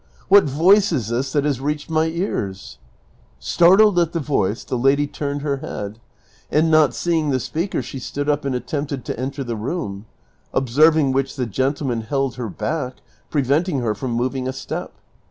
What voice is this that has reached my ears ?" kStar tled at the voice the lady turned her head ; and not seeing the speaker she stood up and attempted to enter the room ; observ ing which the gentleman held her back, preventing her from moving a step.